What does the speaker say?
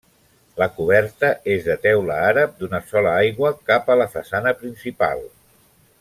La coberta és de teula àrab, d'una sola aigua cap a la façana principal.